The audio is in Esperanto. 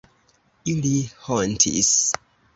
Ili hontis.